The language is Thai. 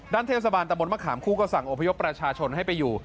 เทศบาลตะบนมะขามคู่ก็สั่งอพยพประชาชนให้ไปอยู่